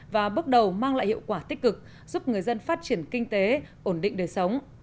và bước đầu mang lại hiệu quả tích cực giúp người dân phát triển kinh tế ổn định đời sống